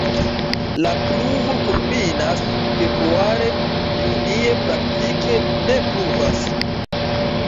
La pluvo kulminas februare, junie praktike ne pluvas.